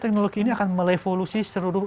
teknologi ini akan merevolusi seluruh